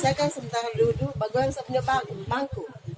saya kan sementara duduk bangku